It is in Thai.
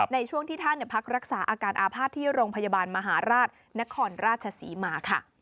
ในช่วงที่ท่านพักรักษาอาการอาภาษณ์ที่โรงพยาบาลมหาราชนครราชศรีมาค่ะ